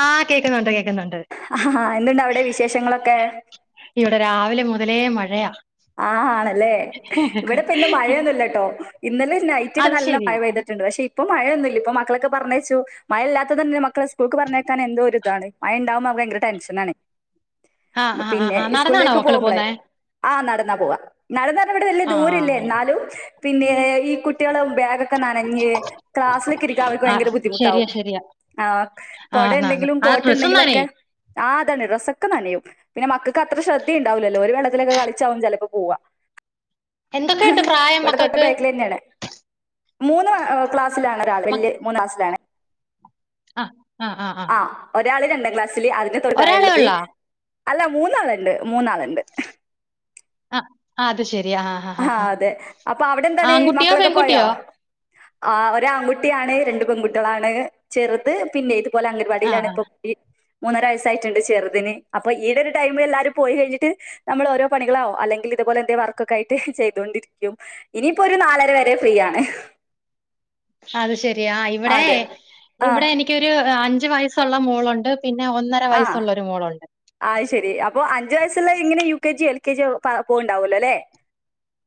ആഹ് കേക്കുന്നുണ്ട് കേക്കുന്നുണ്ട്. ആഹ് എന്തുണ്ട് അവിടെ വിശേഷങ്ങളൊക്കെ? ഇവിടെ രാവിലെ മുതലേ മഴയാ. ആഹ് ആണല്ലേ ഇവിടെപ്പം ഇന്ന് മഴയൊന്നുല്ലട്ടോ ഇന്നലെ നൈറ്റ് ഒക്കെ അത് നല്ല ശരി. മഴ പെയ്ത് ണ്ട് പക്ഷേ ഇപ്പം മഴൊന്നുല്ല ഇപ്പം മക്കളൊക്കെ പറ്ഞ്ഞയ്ച്ചു മഴ ഇല്ലാത്തത് തന്നെ മക്കളെ സ് സ്കൂൾക്ക് പറ്ഞ്ഞയ്ക്കാൻ എന്തോ ഒരു ഇതാണ് മഴണ്ടാകുമ്പം നമ്മക്ക് ഭയങ്കര ടെൻഷൻ ആണ്. ആഹ് ആഹ് ആഹ് പിന്നെ ആഹ് നടന്നാണോ സ്കൂളിലേക്ക് മക്കള് പോകുമ്പോളെ പോന്നേ? ആഹ് നട് ന്നാ പോവാ നടന്നാണ്ട് വിടെ വല്ല്യ ദൂരല്ലൃ ആഹ് എന്നാലും. പിന്നെ ഈ കുട്ടികളും ബാഗൊക്കെ നനഞ്ഞ് ക്ലാസ്സിലൊക്കെ ഇരിക്കാൻ അവർക്ക് ആഹ് ഭയങ്കര ശരിയാ ബുദ്ധിമുട്ടാവും. ശരിയാ ആഹ് കൊട ആഹ് ന്നാന്ന് ഉണ്ടെങ്കിലും ആ കോട്ട് ഡ്രസ്സും ഉണ്ടെങ്കിലൊക്കെ. നനയും. ആഹ് അതന്നെ ഡ്രസ്സൊക്കെ നനയും പിന്നെ മൾക്ക് അത്ര ശ്രദ്ധിയണ്ടാവൂലല്ലോ ഒര് വെള്ളത്തിലൊക്കെ കളിച്ചാവും ചിലപ്പോ. പോവാ എന്തൊക്കെയുണ്ട് പ്രായം ഇവിടെ തൊട്ട മക്കൾക്ക്? ബേക്കിൽ തന്നെയാണ്. മൂന്ന് അഹ് ക്ലാസ്സിലാണ് ഒരാൾ മക് വല്യ മൂന്ന് ക്ലാസ്സിലാണ്. ആഹ് ആഹ് ആഹ് ആഹ്. ഒരാള് രണ്ടാം ക്ലാസ്സില് അതിന്റെ തൊട്ട് ഒരാളെ താഴെയുള്ളത് ഒള്ളോ? അല്ല മൂന്നാളുണ്ട് മൂന്നാളുണ്ട്. അഹ് അത് ശരിയാ ആഹ്. ഹാ ആ ഹാ ഹാ അതെ അപ്പൊ അവിടെ എന്താണ് ആൺകുട്ടിയോ മക്കളൊക്കെ പോയോ പെൺകുട്ടിയോ? ആ ഒരാൺകുട്ടിയാണ് രണ്ട് പെൺകുട്ടികളാണ് ചെറുത് പിന്നെ ഇതുപോല ആഹ് അംഗൻവാടിയിലാണ് ആഹ് ഇപ്പോ ഇ മൂന്നര വയസ്സായിട്ട്ണ്ട് ചെറുതിന് അപ്പൊ ഈയിടെ ഒരു ടൈമിൽ എല്ലാരും പോയി കഴിഞ്ഞിട്ട് നമ്മള് ഓരോ പണികളാവും അല്ലെങ്കിൽ ഇതുപോലെ എന്തേം വർക്ക് ക്കായിട്ട് ചെയ്തൊണ്ടിരിക്കും ഇനിപ്പോ ഒരു നാലര വരെ ഫ്രീ ആണ് അത് ശരിയാ ഇവിടെ അതെ ആ ഇവിടെ എനിക്കൊരു അഞ്ചു വയസ്സുള്ള മോളുണ്ട് പിന്നെ ഒന്നര വയസ്സുള്ള ഒരു മോളുണ്ട് ആഹ് ശെരി അപ്പൊ അഞ്ചുവയസ്സുള്ള ഇങ്ങനെ U K G, L K G, പോവ്ണ്ടാവല്ലോല്ലെ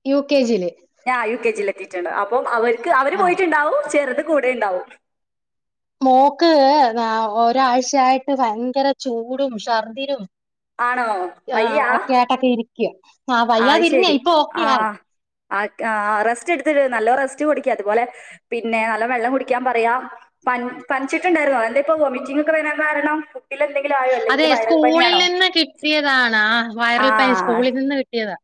യു കെ ജില് ആഹ് യു കെ ജില് എത്തിട്ട്ണ്ട് അപ്പം അവർക്ക് അവര് ആ പോയിട്ടുണ്ടാവും ചെറുത് കൂടെ ഉണ്ടാവും മോക്ക് ഒരാഴ്ചയായിട്ട് ഭയങ്കര ചൂടും ഷർദിനും ആണോ ആഹ് വയ്യ അഹോക്കെ ആയിട്ടിരിക്കും ആഹ് വയ്യാതിരുന്ന ഇപ്പൊ ഓക്കെയാ ആർക്ക് ആഹ് റെസ്റ്റ് ഇടുത്തിട് നല്ലോം റസ്റ്റ് കൊടുക്കി അതുപോലെ പിന്നെ നല്ലോം വെള്ളം കുടിക്കാൻ പറയാ പനിച്ചിട്ടുണ്ടായിരുന്നൊ? എന്താപ്പോ വോമിറ്റിംഗ് ഒക്കെ വരാൻ കാരണം ഫുഡിൽ എന്തെങ്കി അതെ സ്കൂളിൽ നിന്ന് കിട്ടിയതാണ് ആഹ് വൈറൽ പനി സ്കൂളിൽ നിന്ന് കിട്ടിയതാ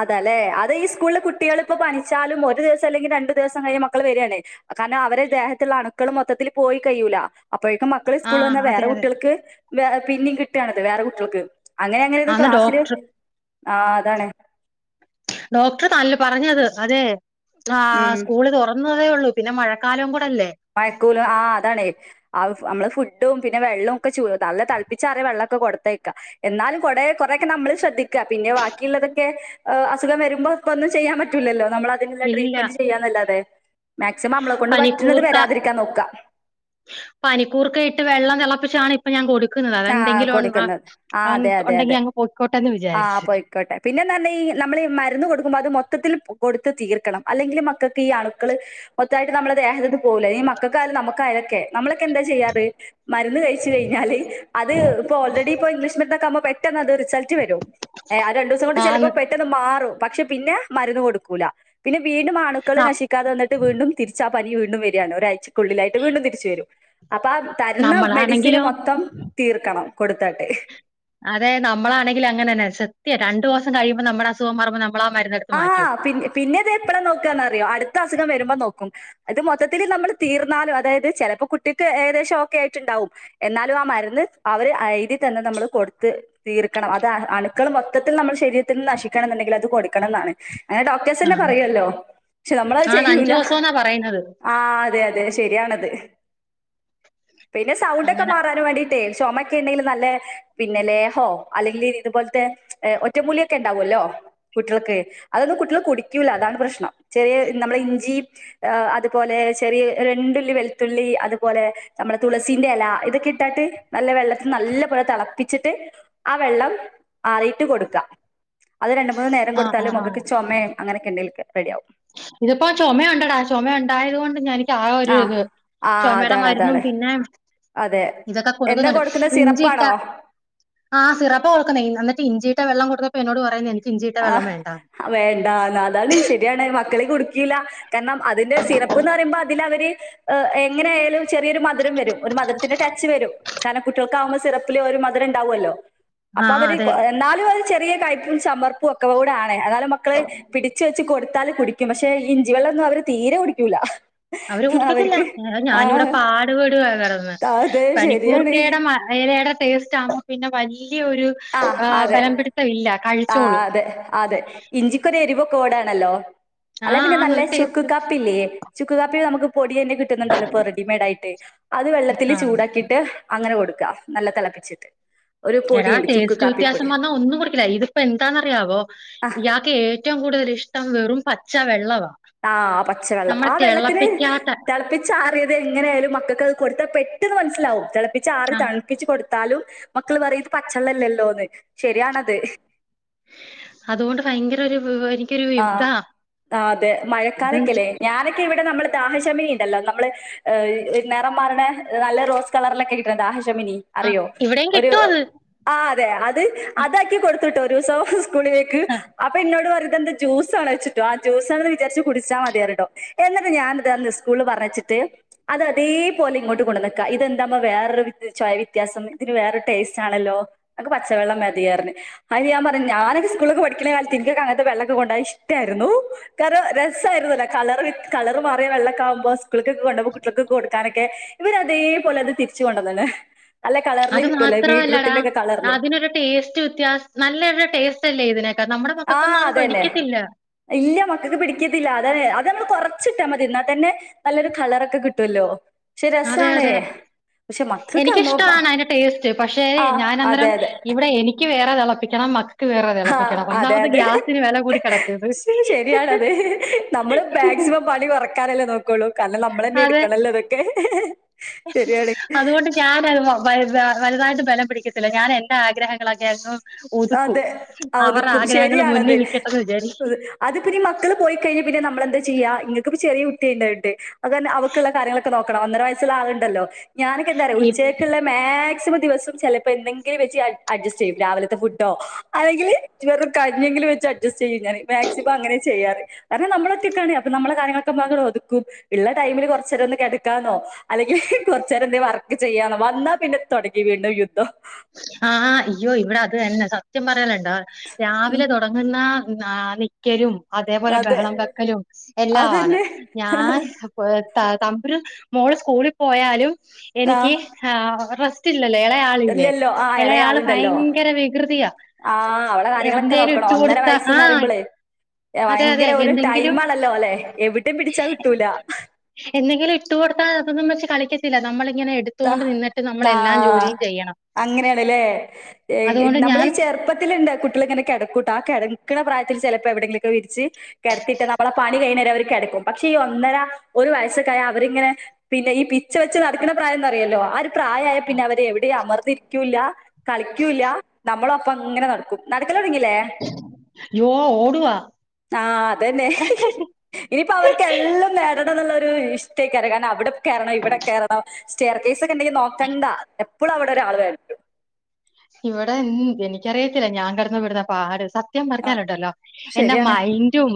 അതാല്ലെ അത് ഈ സ്കൂളിൽ കുട്ടികളിപ്പൊ പനിച്ചാലും ഒരു ദിവസം അല്ലെങ്കി രണ്ടു ദിവസം കഴിഞ്ഞാ മക്കള് വെരാണ് കാരണം അവരെ ദേഹത്ത്ള്ളെ അണുക്കള് മൊത്തത്തില് പോയി കഴിയൂല അപ്പോഴേക്കും മക്ക മക്കള് ആ സ്കൂൾ വന്നാ അതെ വേറെ അതെ കുട്ടികൾക്ക് വെ പിന്നിം കിട്ടാണത് വേറെ കുട്ടികൾക്ക് അങ്ങനെ അങ്ങനെത് അന്ന് ക്ലാസ്സില് ഡോക്ടർ ആഹ് അതാണ് ഡോക്ടർ നല്ല പറഞ്ഞത് അതെ ആഹ് ഉം സ്കൂള് തുറ ന്നതെ ഒള്ളു പിന്നെ മഴക്കാലവും കൂടെ അല്ലേ മയക്കൂല ആഹ് അതാണെ ആഹ് നമ്മള് ഫുഡും പിന്നെ, വെള്ളവും ഒക്കെ നല്ല തിളപ്പിച്ചാറിയ വെള്ളമൊക്കെ കൊടുത്തേക്കാ എന്നാലും കൊടെ കുറെക്കെ നമ്മളും ശ്രദ്ധിക് പിന്നെ ബാക്കിള്ളതൊക്കെ അസുഖം വരുമ്പോ ഇപ്പൊന്നും ചെയ്യാൻ പറ്റൂല്ലല്ലോ നമ്മള് അ അതിനുള്ള ഇല്ല ട്രീറ്റ്മെന്റ് ചെയ്യാന്നല്ലാതെ മാക്സിമം നമ്മളെ കൊണ്ട് പറ്റ്ണത് വരാതിരിക്കാൻ നോക്കാ പനിക്കൂർക്കെ ഇട്ട് വെള്ളം തിളപ്പിച്ചാണ് ഇപ്പ ഞാൻ കൊടുക്കുന്നത് ആ അതെന്തെങ്കിലും കൊടുക്കുന്നത് ആ അവൻ അതെ ഉണ്ടെങ്കി അങ്ങ് പോയിക്കോട്ടെ എന്ന് വിചാരിച്ച് അയ്ക്കോട്ടെ പിന്നെന്ന് പർഞ്ഞാ ഈ നമ്മള് ഈ മരുന്ന് കൊടുക്കുമ്പോ അത് മൊത്തത്തില് കൊടുത്ത് തീർക്കണം അല്ലെങ്കില് മക്കക്ക് ഈ അണുക്കള് മൊത്തായിട്ട് നമ്മുടെ ദേഹത്തിന്ന് പോവുല ഈ മക്കക്കായാലും നമ്മക്കായാലൊക്കെ നമ്മളൊക്കെ എന്താ ചെയ്യാറ്? മരുന്ന് കഴിച്ച് കഴിഞ്ഞാല് അത് ഇപ്പൊ ഓൾറെഡി ഇപ്പോ ഇംഗ്ലീഷ് മ ഇതൊക്കെ ആകുമ്പോ പെട്ടെന്ന് അത് റിസൾട്ട് വെരും രണ്ട് ദിവസം കൊണ്ട് ചെലപ്പോ ആന്ന് പെട്ടെ ത് മാറും പക്ഷെ പിന്നെ മരുന്ന് കൊടുക്കൂല പിന്നെ വീണ്ടും ആണുക്കള് ന നശി ക്കാതെ വന്നിട്ട് വീണ്ടും തിരിച്ച് ആഹ് പനി വീണ്ടും വെര്യാണ് ഒരാഴ്ചക്കുള്ളിലായിട്ട് വീണ്ടും തിരിച്ച് വെരും അപ്പ ആഹ് തര്ന്ന മെഡിസിന് നമ്മളാണെങ്കിലും മൊത്തം തീർക്കണം കൊടുത്താട്ട് അതെ നമ്മളാണെങ്കില് അങ്ങനെന്നെ. സത്യം രണ്ടു ദിവസം കഴിയുമ്പോ നമ്മുടെ അസുഖം മാറുമ്പോ നമ്മൾ ആഹ് മരു ആഹ് പിന്നെ ഇത് എപ്പളാ നോക്കാന്നറിയോ അടുത്ത അസുഖം വരുമ്പോ നോക്കും അത് മൊത്തത്തില് നമ്മള് തീർന്നാലും അതായത് ചെലപ്പോ കുട്ടിക്ക് ഏകദേശം ഒക്കെ ആയിട്ട് ഇണ്ടാവും എന്നാലും ആഹ് മരുന്ന് അവര് എഴുതി തന്നത് നമ്മള് കൊടുത്ത് തീർക്കണം അത് അണ്ക്കള് മൊത്തത്തിൽ നമ്മുടെ ശരീരത്തിൽ നശിക്കണം എന്നുണ്ടെങ്കിൽ അത് കൊടുക്കണംന്നാണ്. അങ്ങനെ ഡോക്ടേഴ്സ് ആ തന്നെ പറയല്ലോ? പക്ഷെ നമ്മളത് ആന്ന് അഞ്ചു ചെയ്യൂല ദിവസം എന്നാ പറയുന്നത് ആഹ് അതെ അതെ ശെരിയാണത് പിന്നെ സൗണ്ടൊക്കെ അങ്ങനെ മാറാൻ വേണ്ടി ട്ടെ ചോമക്കെണ്ടങ്കിലും നല്ലാ പിന്നെ ലേഹോ അല്ലെങ്കില് ഇതുപോൽത്തെ ഒറ്റമൂലിക്കെ ഇണ്ടാവോല്ലോ? കുട്ടിൾക്ക് അതൊന്നും കുട്ടികൾ കുടിക്കൂല്ല അതാണ് പ്രശ്നം ചെറിയ നമ്മളെ ഇഞ്ചി അതുപോലെ ചെറിയ രണ്ടുള്ളി വെളുത്തുള്ളി, അതുപോലെ നമ്മുടെ തുളസിന്റെ എല ഇതൊക്കെ ഇട്ടാട്ട് നല്ല വെള്ളത്തിൽ നല്ല പോലെ തളപ്പിച്ചിട്ട് ആഹ് വെള്ളം ആറിട്ട് കൊടുക്കാ അത് ര മൂന്ന് നേരം ആ ആ കൊടുത്താലും ആ മക്കക്ക് ചൊമേ അങ്ങനെയൊക്കെണ്ടെങ്കിലൊക്കെ റെഡിയാവും. ഇത്പ്പോ ചൊമെ ഉണ്ടടാ. ചൊമെ ഉണ്ടായത് കൊണ്ട് ഞാന് ആ ഒരു ഇത് ആ ചൊമയുടെ അതാണ് മരുന്നും അതാണ് പിന്നെ. അതെ ഇതൊക്കെ എന്താ കൊടുക്കുന്നുണ്ട്. കൊടുക്കുന്നത് ഇഞ്ചിട്ട സിറപ്പാണോ ആഹ് സിറപ്പ് കൊടുക്കുന്നേ. എന്നിട്ട് ഇഞ്ചിയിട്ട വെള്ളം കൊടുത്തപ്പോ എന്നോട് പറയുന്നേ എ ആഹ് വേണ്ട അതാണ്., ശരിയാണ് മക്കള് കുടിക്കീല്ല. കാര്ണം അതിന്റെ സിറപ്പ്ന്ന് പറയുമ്പോ അതില് അവര് എങ്ങനെ ആയാലും ചെറിയൊരു മധുരം വരും. ഒരു മധുര്ത്തിന്റെ ടച്ച് വരും. കാരണം കുട്ടികൾക്കാവുമ്പോ സെറപ്പില് ഒരു മധുരം ഇ ണ്ടാവൊല്ലോ. ആ അപ്പൊ അവര് അതെ എന്നാലും ഒരു ചെറിയ കയ്‌പും ചമർ [unintelligible] എന്നാലും, മക്കളെ പിടിച്ച് വെച്ച് കൊടുത്താല് കുടി ക്കും. പഷേ ഇഞ്ചി വള്ളൊന്നും അവര് തീരെ കുടിക്കൂല. അവര് കുടിക്കത്തില്ല. അവർക്ക് ഞാനിവിടെ ആഹ് പാടുപെടുക കടന്ന് അതെ ശരിയാണ്. പനിക്കൂർക്കയുടെ മ എലേടെ ടേസ്റ്റ് ആമ്പോ പിന്നെ വല്ല്യൊരു ആഹ് അതെ ആഹ് അതെ അതെ ഇഞ്ചിക്കൊരു എരിവ് പോലാണല്ലോ. അല്ല ആഹ് പിന്നെ ആന്ന് നല്ല ഒരു ചുക്ക് ടേസ്റ്റ് കാപ്പില്ലേ. ചുക്കു കാപ്പി നമുക്ക് പൊടിയന്നെ കിട്ടുന്നുണ്ടല്ലോ ഇപ്പോ റെഡിമെയ്ഡ് ആയിട്ട് അത് വെള്ളത്തില് ആഹ് ചൂടാക്കി ട്ട് അങ്ങനെ കൊടുക്ക. നല്ല തളപ്പിച്ചിട്ട് ഒരു എടാ പൊടിണ്ട്. ടേസ്റ്റ് വ്യത്യാസം വന്നാ ഒന്നും കുടിക്കില്ല, ഇതിപ്പോ എന്താന്നറിയാവോ ആ ഇയാ ക്ക് ഏറ്റവും കൂടുതൽ ഇഷ്ടം വെറും പച്ച വെള്ളവാ. ആഹ് പച്ചവെള്ളം. നമ്മളെ ആ വെള്ളത്തിന് തിളപ്പിക്കാത്ത തളപ്പി ച്ചാറിയത് എങ്ങനെ ആയാലും മക്കക്ക് അത് കൊട്ത്താ പെട്ടെന്ന് മൻസ്സിലാവും. തെളപ്പിച്ച് ആറി ആഹ് തൺപ്പിച്ച് കൊട്ത്താലും. മക്കള് പറയും ഇത് പച്ചള്ളല്ലല്ലോന്ന് ശരിയാണത്. അതുകൊണ്ട് ഭയങ്കര ഒരു വിവോ ആഹ് ആ അതെ അത് മഴക്കാലക്കെല്ലേ ഞാനൊക്കെ ഇവിടെ നമ്മള് ദാഹശമിനിണ്ടല്ലോ നമ്മള് ഏ നെറം മാറ്ണെ നല്ല റോസ് കളർലൊക്കെ കിട്ടണ ദാഹ ശമിനി ആഹ് അറിയോ ഇവിടെയും ഒരു കിട്ടും അത് ആഹ് അതെ അത് അതാക്കി കൊടുത്തുട്ടോ ഒരൂസം സ്കൂളിലേക്ക് ആ, അപ്പ ഇന്നോട് പറി തെന്ത്‌ ജ്യൂസ് ആണോച്ച്ട്ടോ ആ ജ്യൂസാണ്ന്ന് വിചാരിച്ച് കുടിച്ചാ മതിയറിട്ടോ. എന്നിട്ട് ഞാനതന്ന് സ്കൂള് പറഞ്ഞച്ചിട്ട് അതതേപോലെ ഇങ്ങോട്ട് കൊണ്ടന്നക്കാ. ഇതെന്താമ്മ വേറൊരു ചൊയ വ്യത്യാസം ഇതിന് വേറൊരു ടേസ്റ്റാണല്ലോ. ഞക്ക് പച്ചവെള്ളം മതിയറിഞ്ഞ് അയില് ഞാ പർഞ്ഞ് ഞാനൊക്കെ സ്കൂൾലൊക്കെ പഠിക്ക്ണ കാലത്ത് ഇന്ക്ക് ഒക്കെ അങ്ങൻത്തെ വെള്ള ക്ക് കൊണ്ടാവാൻ ഇഷ്ടായ്രുന്നു. കാരണം രസായിരുന്നല്ലോ കളറ് കളറ് മാറിയ വെള്ളക്കാവുംമ്പോ സ്കൂൾക് ക്കെ കൊണ്ടോമ്പോ കുട്ട്യാൽക്ക് കൊട്ക്കാനൊക്കെ ഇവനതേപോലെത് തിര്ച്ച് കൊണ്ടന്ന്ണ്. അത് മാത്രമല്ലടാ അതിനൊരു ടേസ്റ്റ് വ്യത്യാസ നല്ലൊരു ടേസ്റ്റ് അല്ലേ ഇതിനൊക്കാെ നമ്മടെ മക്കക്കൊന്നും ആഹ് അത് അതന്നെ പഠിക്കത്തില്ല. ഇല്ല മക്കക്ക് പിടിക്കത്തില്ല. അത് അത് ന്ന് കൊർച്ചിട്ടാ മതി ന്നാ തന്നെ നല്ലൊരു കളറൊക്കെ കിട്ടല്ലോ ക്ഷെ രസാണേ. എനിക്കിഷ്ട്ടാണ് അയിന്റെ ടേസ്റ്റ് പഷേ ആഹ് അതെ ഞാനന്നരം അതെ ഇവിടെ എനി ക്ക് വേറെ തെളപ്പിക്കണം മ ക്ക്‌ വേറെ ആഹ് തെളപ്പിക്കണം. അതെ ഒന്നാമത് അതെ ഗ്യാസിന് വെല കൂടി കെടക്ക്ന്ന്. ശ- ശരിയാണത് നമ്മള് മാക്സിമം പണി കൊറക്കാനല്ലേ നോ ക്കുള്ളു. കാര്ണം നമ്മളന്നെ അതെ. എടുക്കണല്ലോ ഇതൊക്കെ ശരിയാണ്. ഞാനര്ന്നു വലുതാ വലുതായിട്ട് ബലം പിടിക്കത്തില്ല. ഞാനന്റെ ആഗ്രഹങ്ങളൊക്കെ എന്നോ ഒതുക്കൂ. അതെ. ആഹ് അവറ ഒതുക്കും. ആഗ്രഹങ്ങൾ മുന്നി ശരിയാണത്. വിക്കട്ടെന്ന് വിചാരി അത് പിന്നെ ഈ മക്കള് പോയിക്കഴിഞ്ഞാ പിന്നെ നമ്മളെന്താ ചെയ്യാ ഇങ്ങക്കിപ്പ ചെറിയ കുട്ടിൻണ്ടായിട്ട് അതന്നെ അവക്ക്ള്ള കാര്യങ്ങളൊക്കെ നോക്കണം. ഒന്നര വയസ്സ്ള്ള ആള്ണ്ടല്ലോ. ഞാനൊക്കെന്താറിയൊ വിചാരിക്കും. ഉച്ചേക്ക്ള്ള മാക്സിമം ദിവസം ചെലപ്പോ എന്തെങ്കിലും വെച്ച് അഡ്ജസ്റ്റ് ചെയ്യും രാവിലത്തെ ഫുഡ് ട്ടോ അല്ലെങ്കില് വെറും കഞ്ഞിയെങ്കിലും വെച്ച് അഡ്ജസ്റ്റ് ചെയ്യും ഞാന് മാക്സിമം അങ്ങനെ ചെയ്യാറ്. കാരണം നമ്മളൊറ്റക്കാണ്. അപ്പ നമ്മളെ കാര്യങ്ങളൊക്കെ ഒന്നാത് ഒതുക്കും. ഇള്ള ടൈമില് കൊർച്ചേരം ഒന്ന് കെടക്കാന്നോ അല്ലെങ്കി കൊർച്ചേരം എന്തേം വർക്ക് ചെയ്യാന്നോ വന്നാ പിന്നെ തൊടങ്ങി വീണ്ടും യുദ്ധം. ആഹ് അയ്യോ ഇവിടെ അത് തന്നെ സത്യം പറയലണ്ടോ ഉം രാവിലെ തൊടങ്ങുന്ന ക്കലും അതേപോലെ അതെ. ബഹളം വെക്കലും എല്ലാമാണ് അതന്നെ. ഞാൻ തമ്പുരു മോള് സ്കൂളിൽ പോയാലും എനിക്ക് ആഹ് റസ്റ്റ് ഇല്ലല്ലേ ഇള ഇല്ല ഇല്ല ഇളയാള് ഭയങ്കര വികൃതിയ ആഹ് അവളെ കാര്യങ്ങളൊക്കെ നോക്കണം ഒന്നര വയസ്സന്ന് ആഹ് പറയുമ്പളേ അതെ അതെ ഭയങ്കര ഒരു എന്തെങ്കിലും ടൈംമാണല്ലോ അല്ലെ എവിടെ പിടിച്ചാ കിട്ടൂല എന്തെങ്കിലും ഇട്ട് കൊടുത്താൽ അതൊന്നും വെച്ച് കളിക്കത്തില്ല നമ്മളിങ്ങനെ എടു. ത ത്തൊണ്ട് നിന്നിട്ട് നമ്മളെല്ലാം ജോലിയും ചെയ്യണം. അങ്ങനെയാണല്ലേ അതുകൊണ്ട് നമ്മൾ ഞാൻ ഈ ചെറുപ്പത്തിലുണ്ട് കുട്ടിള്ങ്ങനെ കിട ട്ട ആഹ് കിടക്കണ പ്രായത്തിൽ ചെലപ്പോ എവിടെങ്കിലുക്കെ വിരിച്ച്. കെടത്തിട്ട നമ്മളെ പണി കഴിയുന്ന വരെ അവര് കിടക്കും പക്ഷെ ഈ ഒന്നര ഒരു വയസ്സക്കായ അവരിങ്ങനെ പിന്നെ ഈ പിച്ച വെച്ച് നടക്കണ പ്രായംന്ന്റിയല്ലോ ആഹ് ഒരു പ്രായമായ പിന്നെ അവരെ എവിടെയും അമർന്നരിക്കൂല്ല കളിക്കൂല്ല നമ്മള പ്പങ്ങനെ നടക്കും നടക്കല് തൊടങ്ങില്ലേ യ്യോ ഓടുവാ. ആഹ് അതന്നെ ഇനിപ്പോ അവർക്ക് എല്ലും നേര അവിന്നുള്ളൊരു ഇഷ്ടക്കയ്കാരം കാരണം അവിടെ കെറണം ഇവിടെ കേറണം സ്റ്റെയർ കേസക്കെണ്ടെങ്കി നോക്കണ്ട എപ്പോളും അവിടെ ഒരാൾ വേണം ഇവിടെ എനിക്കറിയത്തില്ല ഞാൻ കിടന്ന് പെടുന്ന പാട് സ സത്യം ആഹ് പറഞ്ഞാലുണ്ടല്ലോ എന്റ ശരിയാണ് മൈന്റ് ഉം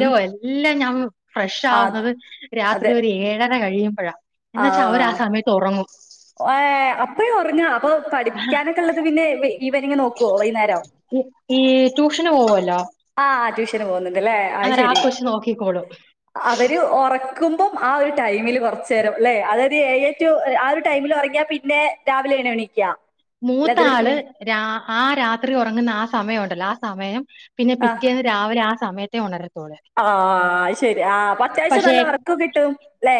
ഉം എല്ലാം ഞാ ഫ്രഷ് ആഹ് ആവുന്നത് രാത്രി അതെ ഒരു ഏഴര കഴിയുമ്പോഴാ എന്നച്ചാ അവര് ആഹ് സമയത്ത് ഒറങ്ങും ഏഹ് ഇപ്പഴേ ഒറങ്ങാണോ അപ്പൊ പഠിക്കാനൊക്കെള്ളത് പിന്നെ ഈവനിങ്ങ് നോക്കോ വൈന്നാരം [unintelligible] ഈ ട്യൂഷന് പോവല്ലോ ആഹ് ട്യൂഷന് പോകുന്നുണ്ട്ല്ലേ അത് അന്നേരം ആ ശെരി കൊച്ച് നോക്കിക്കോളും അവര് ഒറക്കുമ്പം ആഹ് ഒരു ടൈമില് കൊറച്ചേരം ല്ലെ അതായത് ഏഴെ ടു ആഹ് ഒരു ഈ ടൈമില് ഒറങ്ങിയ പിന്നെ രാവിലെണോ എണീക്ക അല്ല മൂത്ത അതിനിടക്ക് ആള് പിന്നെ രാ ആഹ് രാത്രി ഒറങ്ങുന്ന ആഹ് സമയൊണ്ടല്ലോ ആഹ് സമയം പിന്നെ ആഹ് പിറ്റേന്ന് രാവിലെ ആഹ് സമയത്തെ ഒണര- ആഹ് അത് ശരി ആഹ് അപ്പത്യാവശ്യം പക്ഷെ നല്ല ഒറക്കോം കിട്ടും ല്ലേ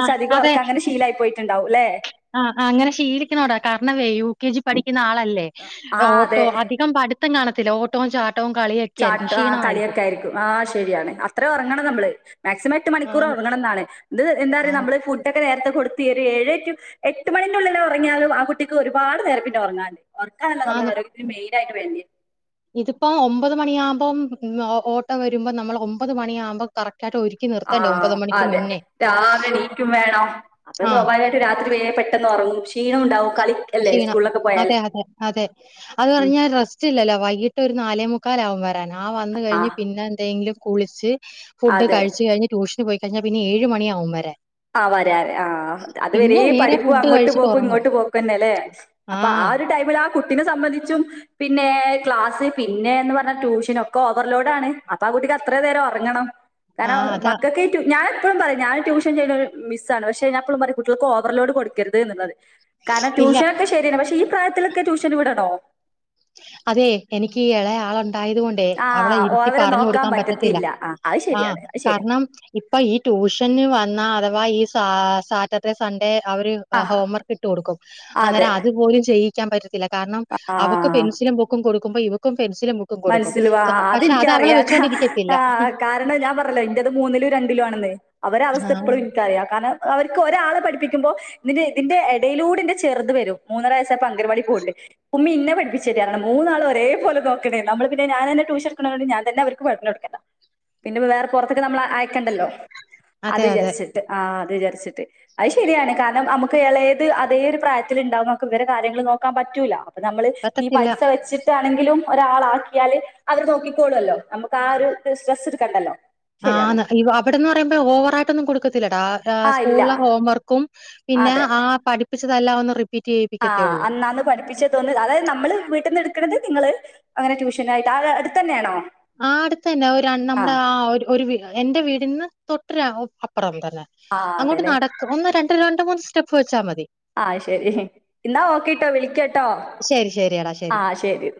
ആ അധികം ഒറക്കം അങ്ങനെ ശീലായി പോയിട്ട്ണ്ടാവും ല്ലെ ആഹ് അങ്ങനെ ശീലിക്കണൊടാ കാരണവേ യു കെ ജി പഠിക്കുന്ന ആളല്ലേ ആഹ് അതെ ഓട്ടോ അധികം പഠി- ത്തം കാണത്തില്ല ഓട്ടോം ചാട്ടോ കളിയൊക്കെ ആയിരിക്കും. ചാട്ടോ ആഹ് ക്ഷീണമായിരിക്കും. കളിയൊക്കെയായിരിക്കും ആഹ് ശരിയാണ് അത്ര ഒറങ്ങണം നമ്മള് മാക്സിമം എട്ട് മണിക്കൂറ് ആന്ന് ഒറങ്ങണന്നാണ് ഇത് എന്താറിയോ ആന്ന് നമ്മള് ഫുഡ് ഫുടൊക്കെ നേരത്തെ കൊടുത്ത് ഒര് ഏഴ് ടു എട്ട് മണിന്റുള്ളില് ഒറങ്ങിയാലും ആഹ് കുട്ടിക്ക് ഒരുപാട് നേരം പിന്നെ ഒറങ്ങാൻ ഇണ്ട് ഒറക്കാണല്ലോ നമ്മളെ ആരോഗ്യത്തിന് മെയിനായിട്ട് വേണ്ടെ ഇതിപ്പോ ഒമ്പത് മണിയാകുമ്പോം ഓട്ടോ വരുമ്പം നമ്മള് ഒമ്പത് മണിയാകുമ്പോം കറക്റ്റ് ആയിട്ട് ഒരു- ആഹ് അതെ രാവിലെണീക്കും വേണം അപ്പ ആ സ്വാഭാവികായി ട്ട് രാത്രി വേം പെട്ടന്ന് ഒറങ്ങും ക്ഷീണം ഇണ്ടാവും കളി അല്ലേ ക്ഷീണം. സ്കൂളിലൊക്കെ പോയാല് അതെ അതെ അതെ അത് ഉം പറഞ്ഞാ റെസ്റ്റ് ഇല്ലല്ലോ വൈകിട്ട് ഒരു നാലേമുക്കാലാവും വരാന് ആഹ് വന്ന് കഴിഞ്ഞ് ആഹ് പിന്നെ എന്തെങ്കിലും കുളിച്ച് ഫുഡ് അതെ കഴിച്ച് കഴിഞ്ഞ് ട്യൂഷന് പോയി കഴിഞ്ഞാ പിന്നെ ഏഴ് മണിയാവും വരാൻ ആഹ് വരാന് ആഹ് അത് വരെ പിന്നെ നേരെ പഠിപ്പ് ഫുഡ് അങ്ങോട്ട് കഴിച്ചിട്ട് പോക്കും ഉറങ്ങുക. ഇങ്ങോട്ട് പോക്കും തന്നെല്ലേ അപ്പൊ ആ ആഹ് ഒരു ടൈമില് ആഹ് കുട്ടിനെ സംബന്ധിച്ചും പിന്നെ ക്ലാസ് പിന്നെന്ന് പറഞ്ഞാ ട്യൂഷന് ഒക്കെ ഓവർലോഡാണ് അപ്പൊ ആഹ് കുട്ടിക്ക് അത്ര നേരം ഒറങ്ങണം കാരണം ആഹ് അതാ മക്കൊക്കെറ്റും ഞാൻ എപ്പഴും പറയും ഞാൻ ട്യൂഷൻ ചെയ്ണൊരു മിസ് ആണ് പക്ഷെ ഞാനെപ്പളും പറയും കുടട്ട്യേള്ക്ക് ഓവർലോഡ് കൊടുക്കര്ത് എന്ന്ള്ളത് കാരണം ഇല്ല ട്യൂഷനൊക്കെ ശരിയന്നെ പക്ഷെ ഈ പ്രായത്തിലൊക്കെ ട്യൂഷന് വിടണോ അതെ എനിക്ക് ഈ എളയാളുണ്ടായത് കൊണ്ട് ആ അവളെ ഇരുത്തി ഓവരെ പറഞ്ഞു നോക്കാൻ കൊടുക്കാൻ പറ്റത്തില്ല ആ അത് ആ ശരിയാണ്. അത് ശരിയാ. കാരണം ഇപ്പൊ ഈ ട്യൂഷന് വന്ന അഥവാ ഈ സാ സാറ്റർഡേ സൺഡേ അവര് ആ ഹോംവർക്ക് ഇട്ട് കൊടുക്കും. അതെ. അന്നേരം അത്പോലും ചെയ്യിക്കാൻ പറ്റത്തില്ല കാരണം അവ ആ ബുക്കും കൊടുക്കുമ്പോ ഇവക്കും പെൻസിലും ബുക്കും കൊടുക്കും മനസ്സിൽവാ സൊ, പക്ഷെ അത് അവളെ അതിൻക്കറിയാ വെച്ചോണ്ടിരിക്കത്തില്ല ആ കാരണം ഞാൻ പറ- [unintelligible] ഇന്റത് മൂന്നിലും രണ്ടിലും ആണെന്നെ അവരവസ്ഥ ആഹ് ഇപ്പഴും ഇൻക്കറിയാ കാരണം അവര്ക്ക് ഒരാളെ പഠപ്പിക്കുമ്പോ ന്നട്ട് ഇതിന്റെ എടയിലൂടെ ന്റെ ചെറ്ത് വരും മൂന്നര വയസ്സപ്പൊ അങ്കന വാടി പോകണ്ട് ഉമ്മി ഇന്നെ പഠിപ്പിച്ചേരറയണം മൂന്നാള് ഒരേ പോല നോ- ക്കണം. നമ്മള് പിന്നെ ഞാനന്നെ ട്യൂഷൻ ഇട്ക്ക്ണൊണ്ട് ഞാൻ തന്നെ അവര്ക്ക് പറഞ്ഞ് കൊട്ക്കല പിന്നെപ്പോ വേറെ പൊറത്തക്ക് നമ്മള് അയക്കണ്ടല്ലോ അതെ അത് അതെ വിചാരിച്ചിട്ട് ആ അത് വിചാരിച്ചിട്ട് അത് ശരിയാണ് കാരണം നമുക്ക് എളയത് അതേ ഒരു പ്രായത്തില്ണ്ടാവുമ്പൊ നമുക്ക് ഇവരെ കാര്യങ്ങള് നോക്കാൻ പറ്റൂല അപ്പ നമ്മള് നീ പറ്റത്തില്ല പൈസ വെച്ചിട്ടാണെങ്കിലും ഒരാളാക്കിയാല് അവര് നോക്കിക്കോളോല്ലോ നമുക്ക് ആ ഒരു സ്ട്രെസ് എടുക്കണ്ടല്ലോ ശരിയാണ് ആന്ന് അവിടെന്ന് പറയുമ്പോ ഓവറായിട്ടൊന്നും കൊടുക്കത്തില്ലട്ടോ ആ ഏ ആഹ് ഇല്ല സ്കൂളിലെ ഹോംവർക്ക് ക്കും പിന്നെ ആ പഠിപ്പിച്ചതെല്ലാം ഒന്ന് റിപ്പ് - ആ അന്നാന്ന് പഠിപ്പിച്ചതൊന്ന് അതായത് നമ്മള് വീട്ടിന്ന് ഇടുക്കണത് നിങ്ങള് അങ്ങനെ ട്യൂഷനായിട്ട് ആ അടുത്ത് തന്നെയാണോ ആ അടുത്തന്നെ ഒരൺ നമ്മുടെ ആഹ് ആ ഒരു ഒരു വീ എന്റെ വീടിന്ന് തൊട്ടുരാ അപ്പുറം തന്നെ ആഹ് അങ്ങോട്ട് അതെല്ലേ നട ഒന്ന് രണ്ടര രണ്ട് മൂന്ന് സ്റ്റെപ്പ് വച്ചാ മതി ആ ശരി ന്നാ ഓക്കെ ട്ടോ വിളിക്കട്ടോ ശരി ശരിയടാ ആ ശരി